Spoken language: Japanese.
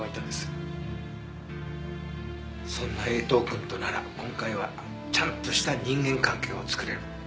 そんな江藤くんとなら今回はちゃんとした人間関係を作れる。